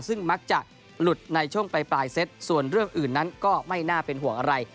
ซึ่งมักจะหลุดในช่วงปลายเซตส่วนเรื่องอื่นนั้นก็ไม่น่าเป็นห่วงอะไร